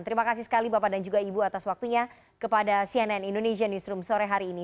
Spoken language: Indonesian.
terima kasih sekali bapak dan juga ibu atas waktunya kepada cnn indonesia newsroom sore hari ini